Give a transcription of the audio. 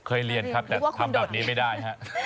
เรียนครับแต่ทำแบบนี้ไม่ได้ฮะ